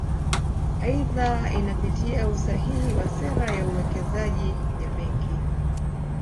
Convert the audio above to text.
Aidha inapitia usahihi wa sera ya uwekezaji ya Benki